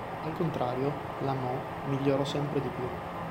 Al contrario, la Mo migliorò sempre di più.